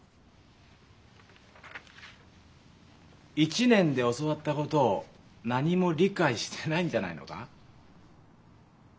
１年で教わったことを何も理解してないんじゃないのか？